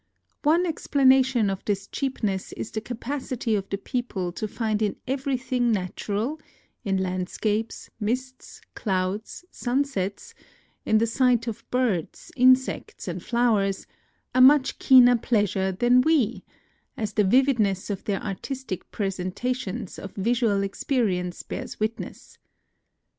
One explanation of this cheapness is the capacity of the people to find in everything natural — in landscapes, mists, clouds, sun sets, — in the sight of birds, insects, and flowers — a much keener pleasure than we, as the vividness of their artistic presentations NOTES OF A TRIP TO KYOTO 61 of visual experience bears witness.